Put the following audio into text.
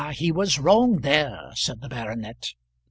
he was wrong there," said the baronet.